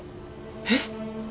えっ？